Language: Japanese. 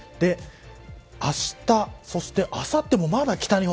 あした、あさってもまだ北日本。